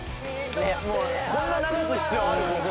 「こんな流す必要ある？」